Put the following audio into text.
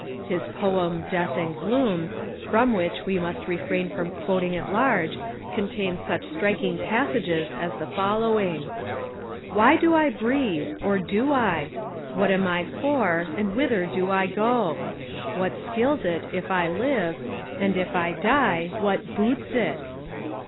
His poem Death and Gloom, from which we must refrain from quoting at large, contains such striking passages as the following: Why do I breathe, or do I? What am I for, and whither do I go? What skills it if I live, and if I die, What boots it?